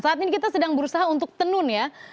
saat ini kita sedang berusaha untuk tenun ya